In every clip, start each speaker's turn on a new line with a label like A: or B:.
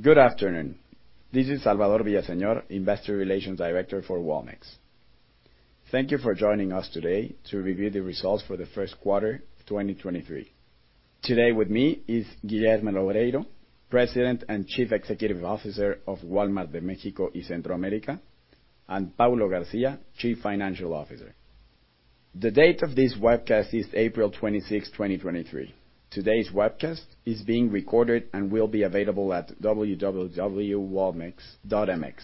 A: Good afternoon. This is Salvador Villaseñor, Investor Relations Director for Walmex. Thank you for joining us today to review the results for the Q1 of 2023. Today with me is Guilherme Loureiro, President and Chief Executive Officer of Walmart de México y Centroamérica, and Paulo Garcia, Chief Financial Officer. The date of this webcast is April 26, 2023. Today's webcast is being recorded and will be available at www.walmex.mx.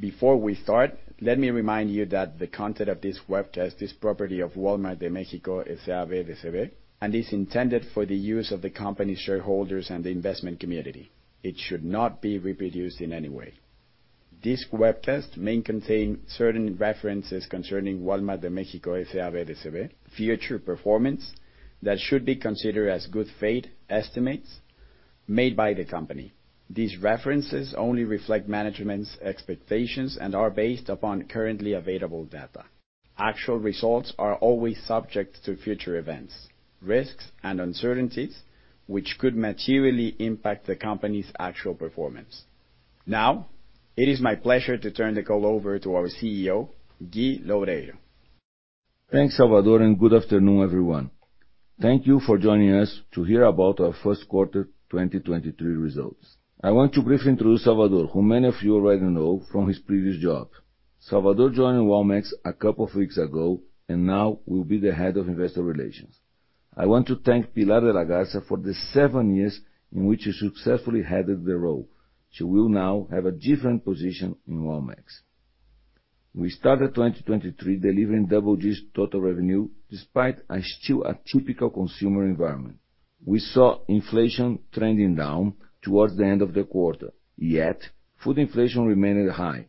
A: Before we start, let me remind you that the content of this webcast is property of Wal-Mart de México S.A.B. de C.V., and is intended for the use of the company shareholders and the investment community. It should not be reproduced in any way. This webcast may contain certain references concerning Wal-Mart de México S.A.B. de C.V. future performance that should be considered as good faith estimates made by the company. These references only reflect management's expectations and are based upon currently available data. Actual results are always subject to future events, risks, and uncertainties, which could materially impact the company's actual performance. Now, it is my pleasure to turn the call over to our CEO, Gui Loureiro.
B: Thanks, Salvador. Good afternoon, everyone. Thank you for joining us to hear about our Q1 2023 results. I want to briefly introduce Salvador, who many of you already know from his previous job. Salvador joined Walmex a couple of weeks ago and now will be the Head of Investor Relations. I want to thank Pilar de la Garza for the seven years in which she successfully headed the role. She will now have a different position in Walmex. We started 2023 delivering double-digit total revenue despite a still atypical consumer environment. We saw inflation trending down towards the end of the quarter, yet food inflation remained high,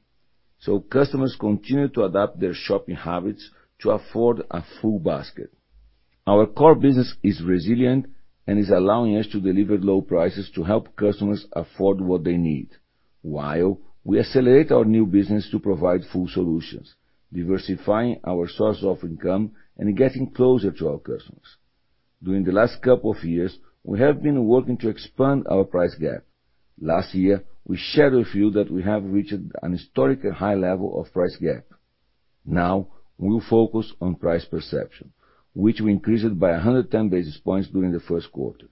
B: so customers continued to adapt their shopping habits to afford a full basket. Our core business is resilient and is allowing us to deliver low prices to help customers afford what they need while we accelerate our new business to provide full solutions, diversifying our source of income and getting closer to our customers. During the last couple of years, we have been working to expand our price gap. Last year, we shared with you that we have reached a historically high level of price gap. Now, we'll focus on price perception, which we increased by 110 basis points during the Q1.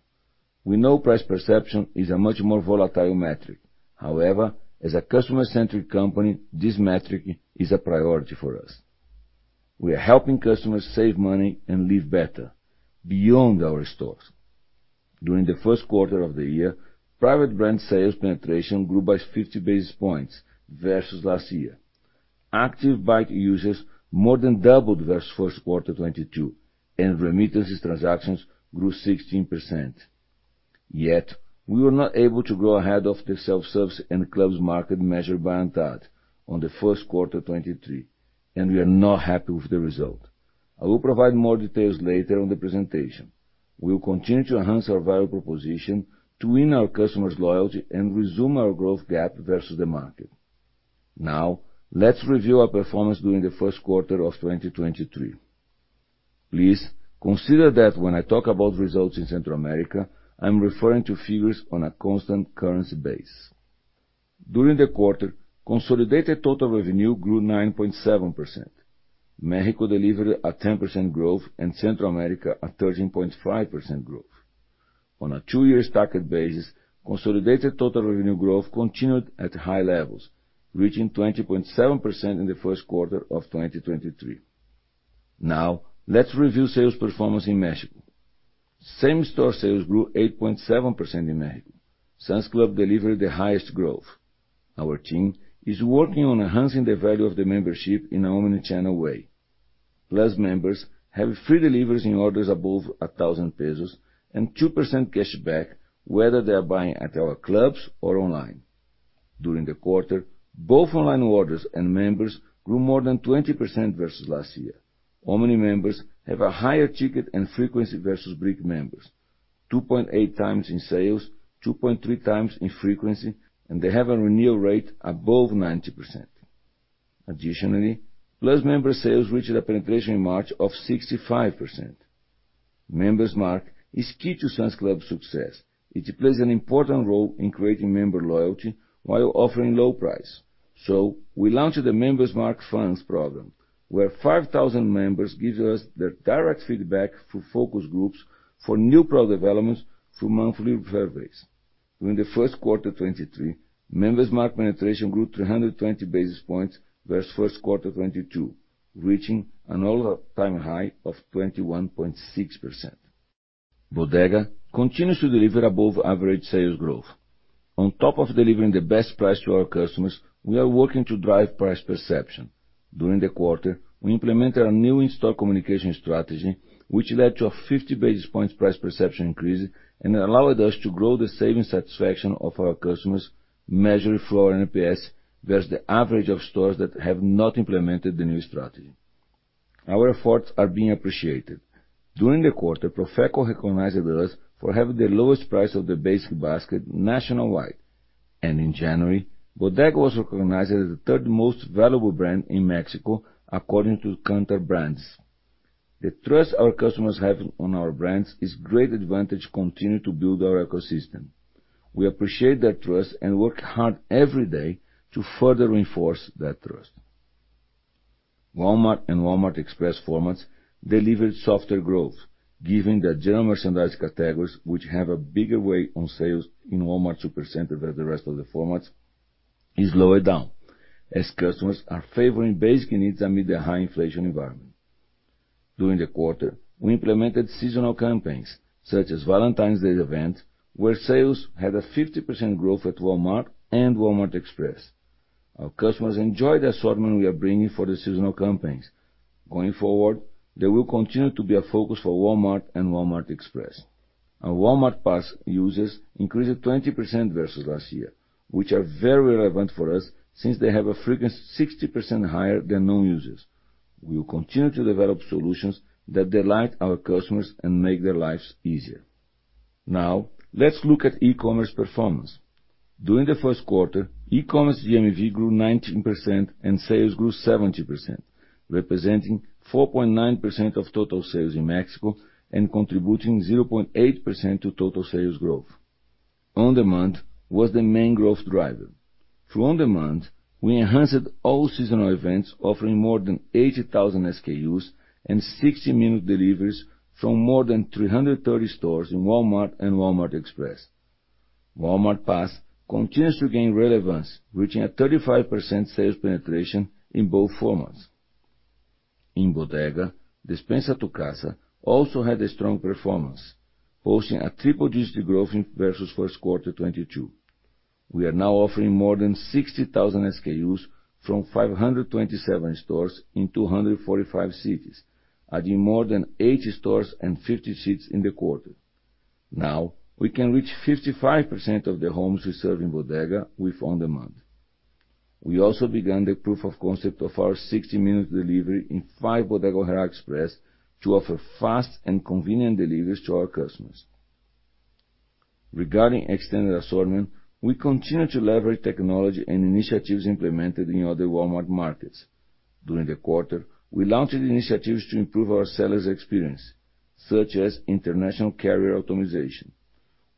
B: We know price perception is a much more volatile metric. However, as a customer-centric company, this metric is a priority for us. We are helping customers save money and live better beyond our stores. During the Q1 of the year, private brand sales penetration grew by 50 basis points versus last year. Active Bait users more than doubled versus Q1 2022. Remittances transactions grew 16%. We were not able to grow ahead of the self-service and clubs market measured by ANTAD on the Q1 2023. We are not happy with the result. I will provide more details later in the presentation. We will continue to enhance our value proposition to win our customers' loyalty and resume our growth gap versus the market. Let's review our performance during the Q1 of 2023. Please consider that when I talk about results in Central America, I'm referring to figures on a constant currency base. During the quarter, consolidated total revenue grew 9.7%. Mexico delivered a 10% growth and Central America a 13.5% growth. On a two-year stacked basis, consolidated total revenue growth continued at high levels, reaching 20.7% in the Q1 of 2023. Now, let's review sales performance in Mexico. Same-store sales grew 8.7% in Mexico. Sam's Club delivered the highest growth. Our team is working on enhancing the value of the membership in an omnichannel way. Plus members have free deliveries in orders above 1,000 pesos and 2% cashback, whether they are buying at our clubs or online. During the quarter, both online orders and members grew more than 20% versus last year. Omni members have a higher ticket and frequency versus brick members, 2.8x in sales, 2.3x in frequency, and they have a renewal rate above 90%. Additionally, Plus member sales reached a penetration in March of 65%. Member's Mark is key to Sam's Club's success. It plays an important role in creating member loyalty while offering a low price. We launched the Member's Mark Funds program, where 5,000 members give us their direct feedback through focus groups for new product developments through monthly surveys. During the Q1 2023, Member's Mark penetration grew 320 basis points versus Q1 2022, reaching an all-time high of 21.6%. Bodega continues to deliver above average sales growth. On top of delivering the best price to our customers, we are working to drive price perception. During the quarter, we implemented a new in-store communication strategy, which led to a 50-basis-point price perception increase and allowed us to grow the saving satisfaction of our customers, measured through our NPS, versus the average of stores that have not implemented the new strategy. Our efforts are being appreciated. During the quarter, PROFECO recognized us for having the lowest price of the basic basket nationwide. In January, Bodega was recognized as the third most valuable brand in Mexico, according to Kantar BrandZ. The trust our customers have in our brands is great advantage continue to build our ecosystem. We appreciate that trust and work hard every day to further reinforce that trust. Walmart and Walmart Express formats delivered softer growth given that general merchandise categories, which have a bigger weight on sales in Walmart Supercenter than the rest of the formats, is lower down as customers are favoring basic needs amid the high inflation environment. During the quarter, we implemented seasonal campaigns such as Valentine's Day event, where sales had a 50% growth at Walmart and Walmart Express. Our customers enjoy the assortment we are bringing for the seasonal campaigns. Going forward, they will continue to be a focus for Walmart and Walmart Express. Our Walmart Pass users increased 20% versus last year, which are very relevant for us since they have a frequency 60% higher than non-users. We will continue to develop solutions that delight our customers and make their lives easier. Let's look at e-commerce performance. During the Q1, e-commerce GMV grew 19% and sales grew 70%, representing 4.9% of total sales in Mexico and contributing 0.8% to total sales growth. On Demand was the main growth driver. Through On Demand, we enhanced all seasonal events offering more than 80,000 SKUs and 60-minute deliveries from more than 330 stores in Walmart and Walmart Express. Walmart Pass continues to gain relevance, reaching a 35% sales penetration in both formats. In Bodega, Despensa a Tu Casa also had a strong performance, hosting a triple-digit growth versus Q1 2022. We are now offering more than 60,000 SKUs from 527 stores in 245 cities, adding more than 80 stores and 50 cities in the quarter. Now we can reach 55% of the homes we serve in Bodega with On Demand. We also began the proof of concept of our 60-minute delivery in 5 Bodega Aurrera Express to offer fast and convenient deliveries to our customers. Regarding extended assortment, we continue to leverage technology and initiatives implemented in other Walmart markets. During the quarter, we launched initiatives to improve our sellers' experience, such as international carrier automation.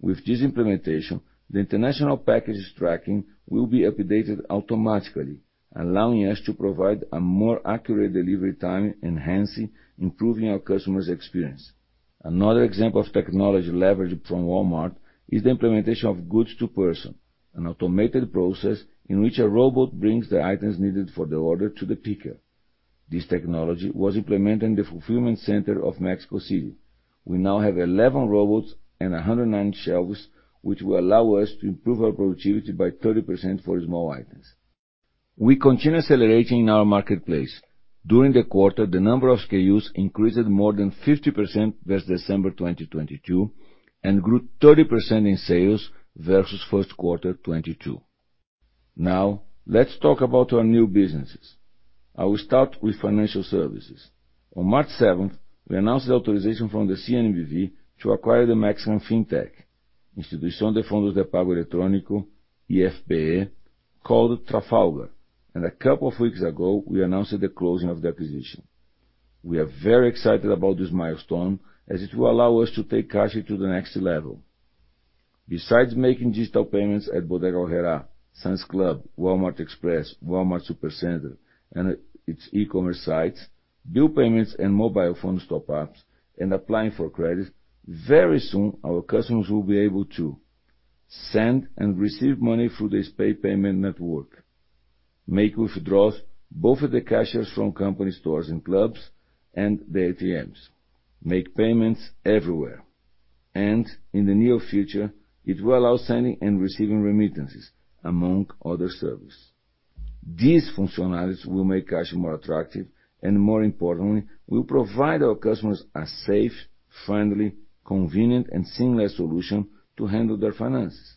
B: With this implementation, the international packages tracking will be updated automatically, allowing us to provide a more accurate delivery time, enhancing, improving our customer's experience. Another example of technology leveraged from Walmart is the implementation of Goods to Person, an automated process in which a robot brings the items needed for the order to the picker. This technology was implemented in the fulfillment center of Mexico City. We now have 11 robots and 109 shelves, which will allow us to improve our productivity by 30% for small items. We continue accelerating in our marketplace. During the quarter, the number of SKUs increased more than 50% versus December 2022, and grew 30% in sales versus Q1 2022. Let's talk about our new businesses. I will start with financial services. On March 7, we announced the authorization from the CNBV to acquire the Maxican fintech, Institución de Fondos de Pago Electrónico, EFPI, called Trafalgar. A couple of weeks ago, we announced the closing of the acquisition. We are very excited about this milestone as it will allow us to take Cashi to the next level. Besides making digital payments at Bodega Aurrera, Sam's Club, Walmart Express, Walmart Supercenter, and its e-commerce sites, bill payments and mobile phone top-ups, and applying for credit, very soon our customers will be able to send and receive money through the SPEI payment network, make withdrawals both at the cashiers from company stores and clubs, and the ATMs. Make payments everywhere. In the near future, it will allow sending and receiving remittances, among other services. These functionalities will make Cashi more attractive, and more importantly, will provide our customers a safe, friendly, convenient, and seamless solution to handle their finances.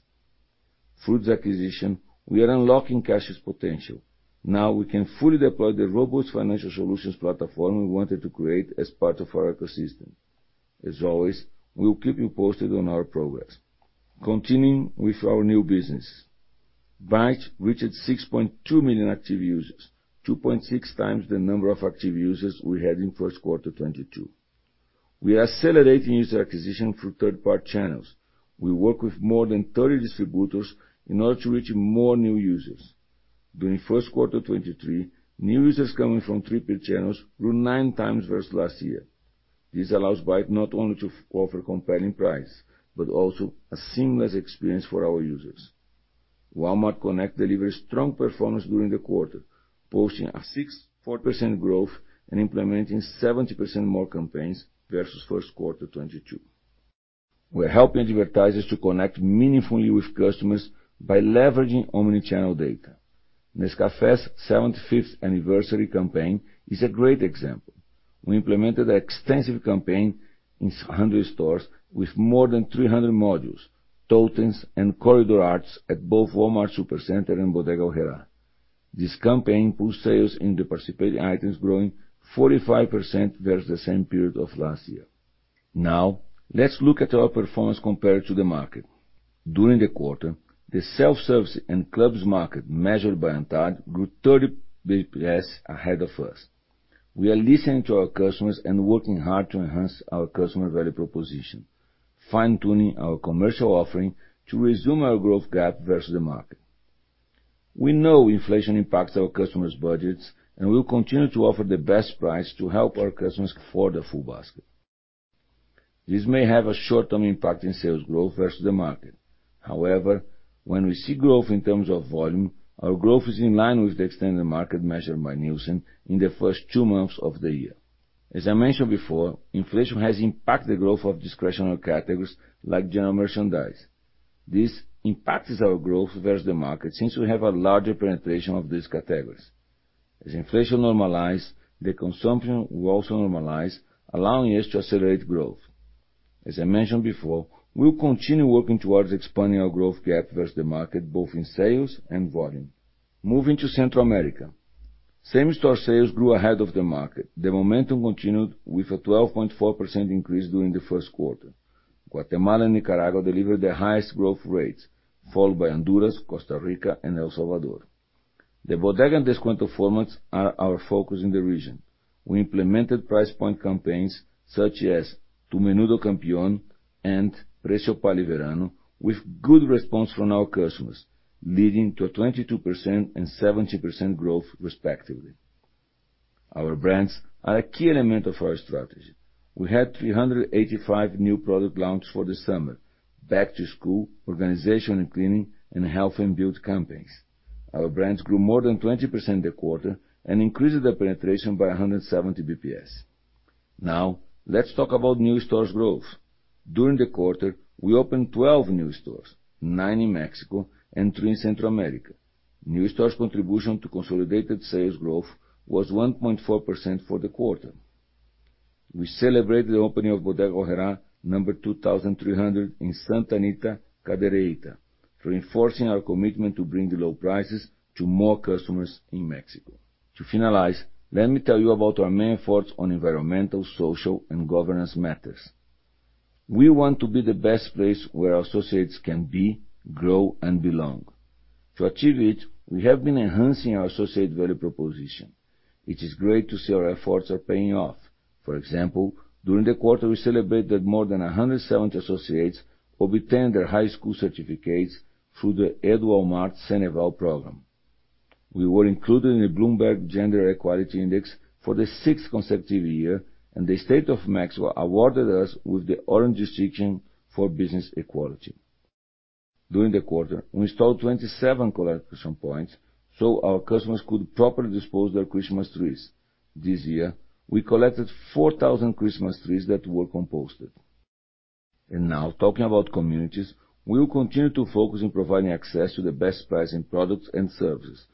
B: Through this acquisition, we are unlocking Cashi's potential. Now we can fully deploy the robust financial solutions platform we wanted to create as part of our ecosystem. As always, we'll keep you posted on our progress. Continuing with our new business. Bait reached 6.2 million active users, 2.6x the number of active users we had in Q1 2022. We are accelerating user acquisition through third-party channels. We work with more than 30 distributors in order to reach more new users. During Q1 2023, new users coming from 3P channels grew 9x versus last year. This allows Bait not only to offer compelling price, but also a seamless experience for our users. Walmart Connect delivered strong performance during the quarter, posting a 64% growth and implementing 70% more campaigns versus Q1 2022. We're helping advertisers to connect meaningfully with customers by leveraging omni-channel data. Nescafé's 75th anniversary campaign is a great example. We implemented an extensive campaign in 100 stores with more than 300 modules, totems, and corridor arts at both Walmart Supercenter and Bodega Aurrera. This campaign put sales in the participating items growing 45% versus the same period of last year. Let's look at our performance compared to the market. During the quarter, the self-service and clubs market measured by ANTAD grew 30-basis-point ahead of us. We are listening to our customers and working hard to enhance our customer value proposition, fine-tuning our commercial offering to resume our growth gap versus the market. We know inflation impacts our customers' budgets. We'll continue to offer the best price to help our customers afford a full basket. This may have a short-term impact in sales growth versus the market. However, when we see growth in terms of volume, our growth is in line with the extended market measured by NielsenIQ in the first 2 months of the year. As I mentioned before, inflation has impacted the growth of discretionary categories like general merchandise. This impacts our growth versus the market since we have a larger penetration of these categories. As inflation normalizes, the consumption will also normalize, allowing us to accelerate growth. As I mentioned before, we'll continue working towards expanding our growth gap versus the market, both in sales and volume. Moving to Central America. Same-store sales grew ahead of the market. The momentum continued with a 12.4% increase during the Q1. Guatemala and Nicaragua delivered their highest growth rates, followed by Honduras, Costa Rica, and El Salvador. The Bodega and Descuento formats are our focus in the region. We implemented price point campaigns such as Tu Menú del Campeón and Precios para el Verano with good response from our customers, leading to a 22% and 70% growth respectively. Our brands are a key element of our strategy. We had 385 new product launches for the summer, back to school, organization and cleaning, and health and beauty campaigns. Our brands grew more than 20% a quarter and increased their penetration by 170 bps. Let's talk about new stores growth. During the quarter, we opened 12 new stores, 9 in Mexico and three in Central America. New stores' contribution to consolidated sales growth was 1.4% for the quarter. We celebrate the opening of Bodega Aurrera number 2,300 in Santa Anita, Cadereyta, reinforcing our commitment to bring the low prices to more customers in Mexico. To finalize, let me tell you about our main efforts on environmental, social, and governance matters. We want to be the best place where our associates can be, grow, and belong. To achieve it, we have been enhancing our associate value proposition. It is great to see our efforts are paying off. For example, during the quarter, we celebrated more than 170 associates who obtained their high school certificates through the EduWalmart-CENEVAL program. We were included in the Bloomberg Gender-Equality Index for the sixth consecutive year, and the State of Mexico awarded us with the Orange Distinction for Business Equality. During the quarter, we installed 27 collection points so our customers could properly dispose their Christmas trees. This year, we collected 4,000 Christmas trees that were composted. Now talking about communities, we will continue to focus on providing access to the best pricing products and services.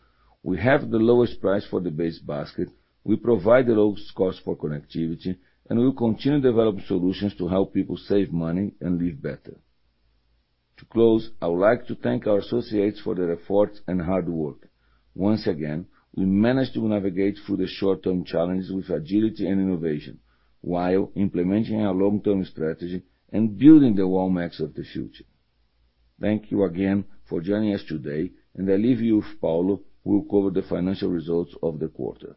B: We have the lowest price for the basic basket. We provide the lowest cost for connectivity, and we will continue to develop solutions to help people save money and live better. To close, I would like to thank our associates for their efforts and hard work. Once again, we managed to navigate through the short-term challenges with agility and innovation while implementing our long-term strategy and building the Walmex of the future. Thank you again for joining us today, and I leave you with Paulo, who will cover the financial results of the quarter.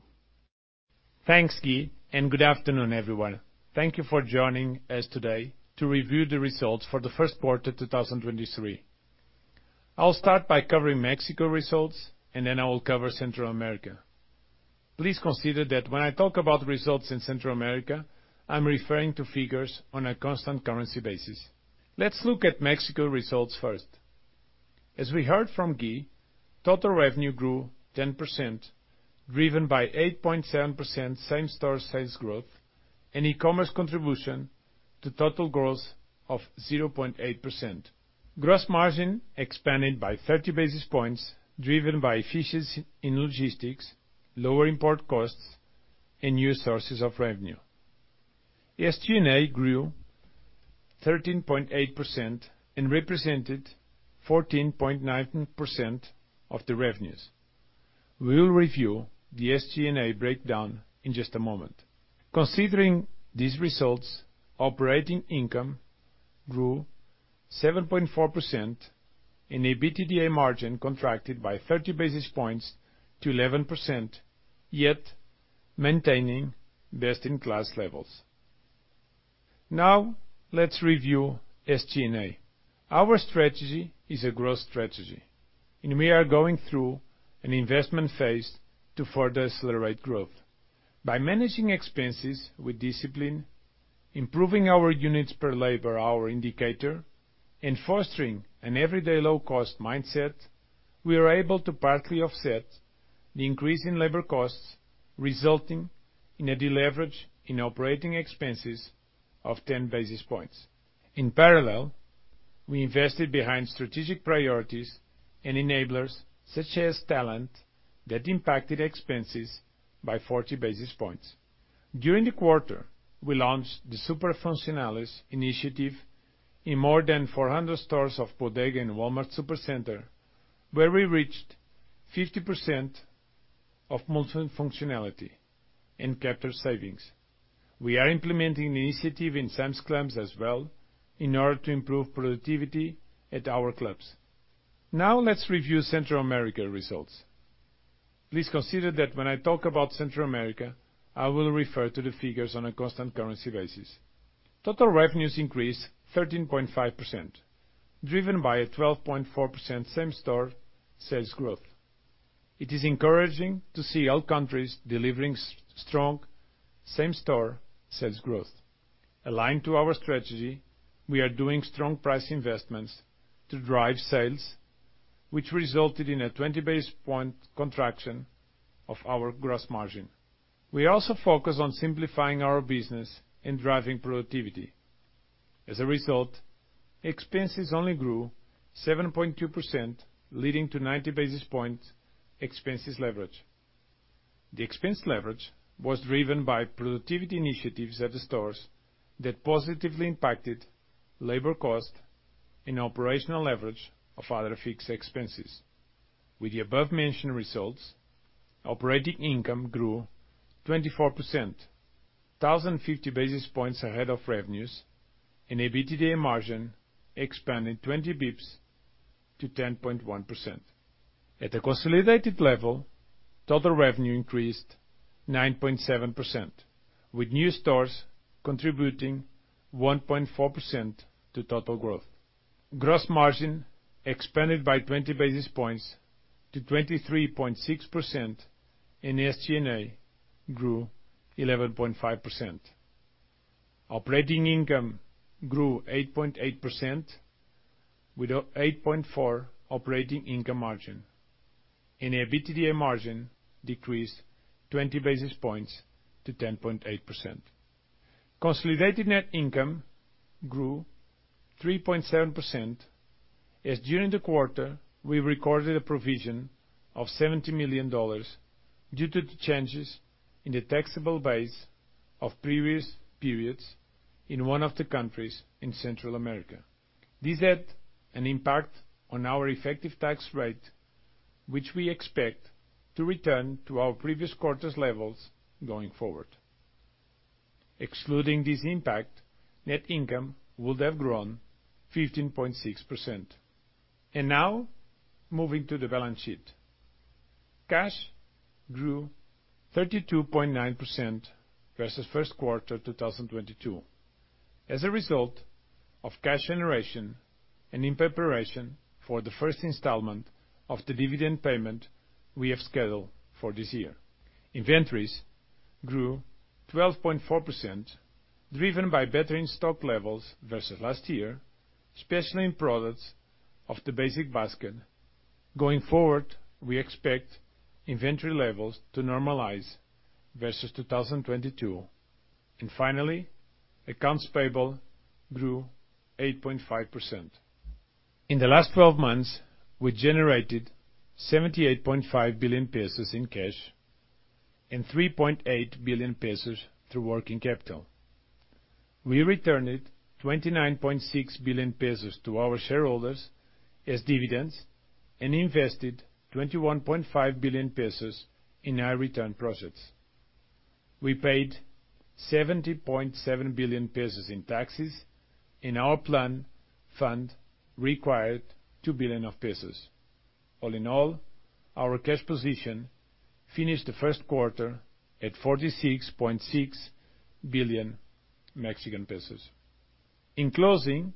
C: Thanks, Gui. Good afternoon, everyone. Thank you for joining us today to review the results for the Q1 of 2023. I'll start by covering Mexico results. Then I will cover Central America. Please consider that when I talk about results in Central America, I'm referring to figures on a constant currency basis. Let's look at Mexico results first. As we heard from Gui, total revenue grew 10%, driven by 8.7% same-store sales growth and e-commerce contribution to total growth of 0.8%. Gross margin expanded by 30 basis points, driven by efficiency in logistics, lower import costs, and new sources of revenue. SG&A grew 13.8% and represented 14.9% of the revenues. We'll review the SG&A breakdown in just a moment. Considering these results, operating income grew 7.4% and EBITDA margin contracted by 30 basis points to 11%, yet maintaining best-in-class levels. Let's review SG&A. Our strategy is a growth strategy, and we are going through an investment phase to further accelerate growth. By managing expenses with discipline, improving our units per labor hour indicator, and fostering an Everyday Low Cost mindset, we are able to partly offset the increase in labor costs resulting in a deleverage in operating expenses of 10 basis points. In parallel, we invested behind strategic priorities and enablers such as talent that impacted expenses by 40 basis points. During the quarter, we launched the Super Funcionales initiative in more than 400 stores of Bodega and Walmart Supercenter, where we reached 50% of multifunctionality and capture savings. We are implementing the initiative in Sam's Clubs as well in order to improve productivity at our clubs. Now, let's review Central America results. Please consider that when I talk about Central America, I will refer to the figures on a constant currency basis. Total revenues increased 13.5%, driven by a 12.4% same-store sales growth. It is encouraging to see all countries delivering strong same-store sales growth. Aligned to our strategy, we are doing strong price investments to drive sales, which resulted in a 20-basis-point contraction of our gross margin. We also focus on simplifying our business and driving productivity. As a result, expenses only grew 7.2% leading to 90 basis points expenses leverage. The expense leverage was driven by productivity initiatives at the stores that positively impacted labor cost and operational leverage of other fixed expenses. With the above-mentioned results, operating income grew 24%, 1,050 basis points ahead of revenues and EBITDA margin expanded 20 bps to 10.1%. At a consolidated level, total revenue increased 9.7% with new stores contributing 1.4% to total growth. Gross margin expanded by 20 basis points to 23.6% and SG&A grew 11.5%. Operating income grew 8.8% with a 8.4% operating income margin and EBITDA margin decreased 20 basis points to 10.8%. Consolidated net income grew 3.7%, as during the quarter, we recorded a provision of $70 million due to the changes in the taxable base of previous periods in one of the countries in Central America. This had an impact on our effective tax rate, which we expect to return to our previous quarters levels going forward. Excluding this impact, net income would have grown 15.6%. Now moving to the balance sheet. Cash grew 32.9% versus Q1 2022. As a result of cash generation and in preparation for the first installment of the dividend payment we have scheduled for this year. Inventories grew 12.4% driven by bettering stock levels versus last year, especially in products of the basic basket. Going forward, we expect inventory levels to normalize versus 2022. Finally, accounts payable grew 8.5%. In the last 12 months, we generated 78.5 billion pesos in cash and 3.8 billion pesos through working capital. We returned 29.6 billion pesos to our shareholders as dividends and invested 21.5 billion pesos in our return projects. We paid 70.7 billion pesos in taxes and our plan fund required 2 billion pesos. All in all, our cash position finished the Q1 at 46.6 billion Mexican pesos. In closing,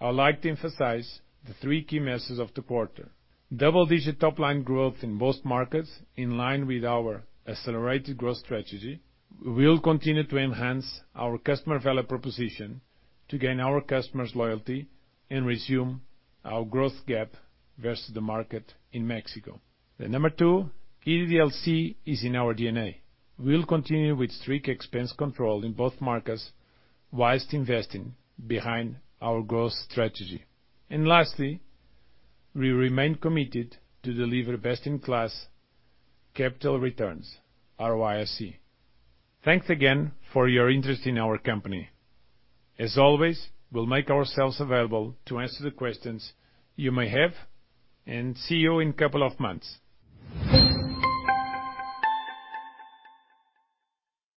C: I would like to emphasize the three key messages of the quarter. Double-digit top line growth in both markets, in line with our accelerated growth strategy. We will continue to enhance our customer value proposition to gain our customers' loyalty and resume our growth gap versus the market in Mexico. The number two, EDLC is in our DNA. We'll continue with strict expense control in both markets whilst investing behind our growth strategy. Lastly, we remain committed to deliver best-in-class capital returns, ROIC. Thanks again for your interest in our company. As always, we'll make ourselves available to answer the questions you may have and see you in a couple of months.